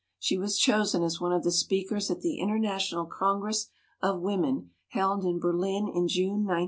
She was chosen as one of the speakers at the International Congress of Women held in Berlin in June, 1904.